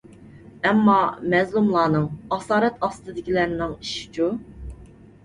ئەمما، مەزلۇملارنىڭ، ئاسارەت ئاستىدىكىلەرنىڭ ئىشىچۇ؟